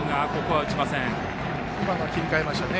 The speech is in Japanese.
今のは、切り替えましたね。